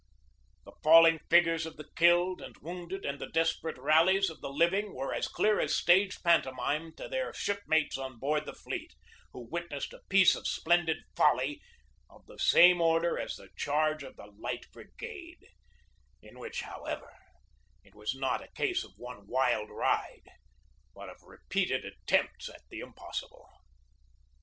The falling figures of the killed and wounded and the desperate rallies of the living were as clear as stage pantomime to their shipmates on board the fleet, who witnessed a piece of splendid folly of the same order as the charge of the Light Brigade, in which, however, it was not a case of one wild ride but of repeated attempts at the impossible.